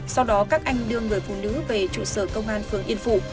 sau đó các anh đưa người phụ nữ về trụ sở công an phường yên phụ